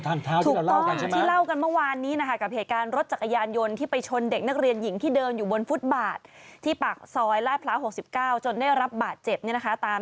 ที่ไปขับรถบนทางเท้าที่เราเล่ากันใช่ไหม